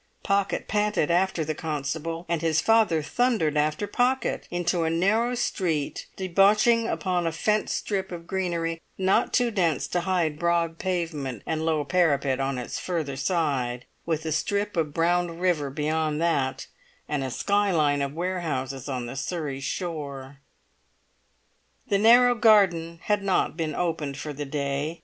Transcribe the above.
Pocket panted after the constable, and his father thundered after Pocket, into a narrow street debouching upon a fenced strip of greenery, not too dense to hide broad pavement and low parapet on its further side, with a strip of brown river beyond that, and a skyline of warehouses on the Surrey shore. The narrow garden had not been opened for the day.